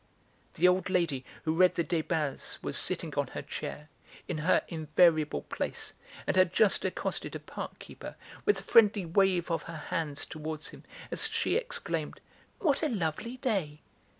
The old lady who read the Débats was sitting on her chair, in her invariable place, and had just accosted a park keeper, with a friendly wave of her hands towards him as she exclaimed "What a lovely day!"